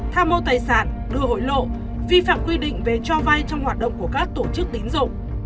tham mô tài sản đưa hối lộ vi phạm quy định về cho vay trong hoạt động của các tổ chức tín dụng